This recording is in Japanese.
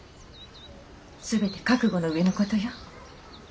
全て覚悟の上の事よ。